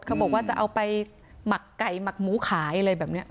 เขาบอกว่าจะเอาไปหมักไก่หมักหมูขายอะไรแบบนี้